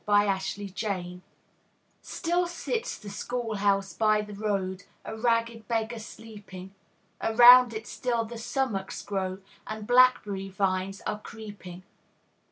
_ In School Days Still sits the school house by the road, A ragged beggar sunning; Around it still the sumachs grow, And blackberry vines are running.